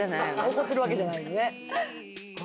怒ってるわけじゃないよね